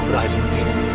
kamu akan menang